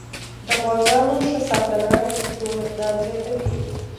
د غواګانو ښه ساتنه د شیدو مقدار زیاتوي.